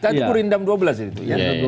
tadi itu rindam dua belas itu